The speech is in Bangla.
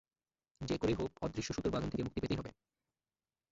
যে করেই হোক অদৃশ্য সুতোর বাঁধন থেকে মুক্তি পেতেই হবে।